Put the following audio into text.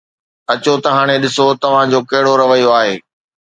اچو ته هاڻي ڏسو، توهان جو ڪهڙو رويو آهي